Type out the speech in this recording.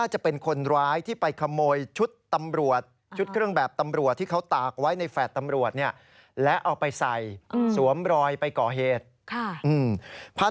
แหม่ก็หลายคนเห็นภาพเห็นคลิปนี้แล้วก็บอกโออ